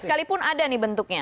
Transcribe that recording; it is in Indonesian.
sekalipun ada nih bentuknya